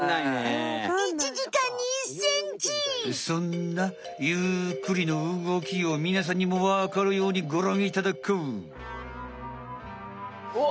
そんなゆっくりの動きをみなさんにもわかるようにごらんいただこう！